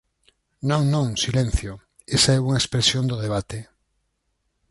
Non, non, silencio, esa é unha expresión do debate.